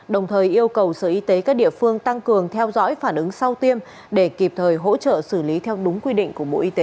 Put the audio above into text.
đồng thời yêu cầu sở y tế các địa phương tăng cường theo dõi phản ứng sau tiêm để kịp thời hỗ trợ xử lý theo đúng quy định của bộ y tế